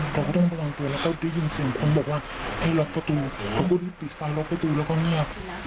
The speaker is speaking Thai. เราก็ต้องกำลังตัวแล้วก็ได้ยินเสียงคนบอกว่าให้รับกระตูก็ดิ้งปิดฟังรับกระตูแล้วงี้